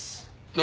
何？